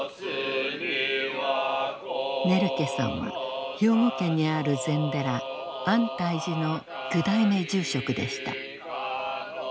ネルケさんは兵庫県にある禅寺安泰寺の９代目住職でした。